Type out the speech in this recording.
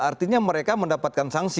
artinya mereka mendapatkan sanksi